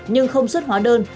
nhưng không xuất hóa đơn